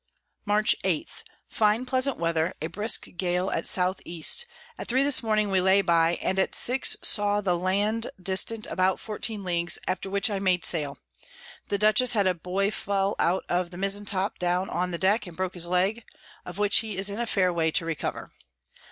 Mar. 8. Fine pleasant Weather, a brisk Gale at S E. At three this Morning we lay by, and at six saw the Land dist. about 14 Ls. after which I made sail. The Dutchess had a Boy fell out of the Mizen top down on the Deck, and broke his Leg; of which he is in a fair way to recover.